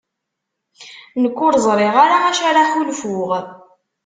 Nekk ur ẓriɣ ara acu ara ḥulfuɣ.